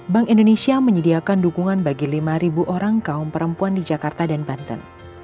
bank indonesia menyediakan dukungan bagi lima orang kaum perempuan di jakarta dan banten